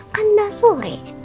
kan udah sore